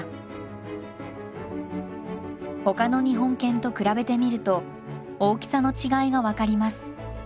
ほかの日本犬と比べてみると大きさの違いが分かります。